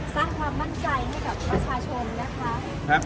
สร้างความมั่นใจให้กับว่าใช่ไหมครับ